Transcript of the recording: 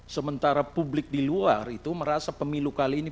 sementara publik di luar itu merasa pemilu kali ini